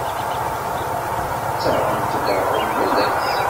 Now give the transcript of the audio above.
Ttaɣent-d aɣrum yal ass.